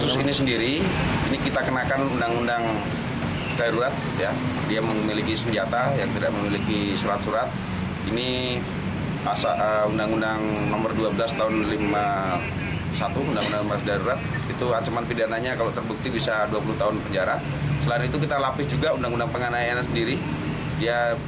sebelumnya penembakan tersebut sempat salib